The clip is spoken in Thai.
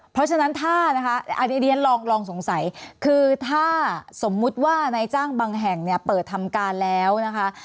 เพราะฉะนั้นถ้านะคะอันนี้เรียนลองสงสัยคือถ้าสมมุติว่านายจ้างบางแห่งเนี่ยเปิดทำการแล้วนะคะ